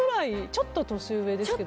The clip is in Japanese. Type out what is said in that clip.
ちょっと年上ですか？